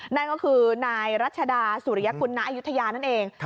นั่นก็คือนายรัชดาสุริยกุลณอายุทยานั่นเอง